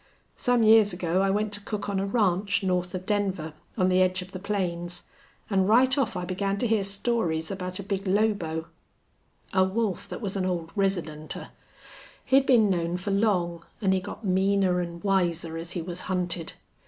Some years ago I went to cook on a ranch north of Denver, on the edge of the plains. An' right off I began to hear stories about a big lobo a wolf that was an old residenter. He'd been known for long, an' he got meaner an' wiser as he was hunted.